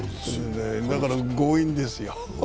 だから、強引ですよ。